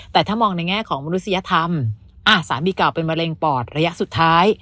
แต่ถ้ามองในแง่ของมนุษยธรรมสามีเก่าเป็นมะเร็งปอดระยะสุดท้าย